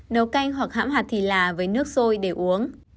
nấu canh hoặc hãm hạt thì là với nước sôi để uống